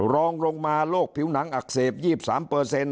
รองลงมาโรคผิวหนังอักเสบ๒๓เปอร์เซ็นต